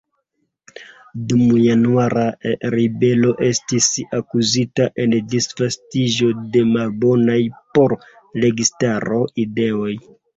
Dum Januara ribelo estis akuzita en disvastiĝo de "malbonaj por registaro" ideoj.